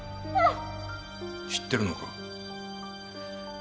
知ってるのか？